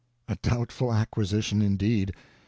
A doubtful acquisition, indeed!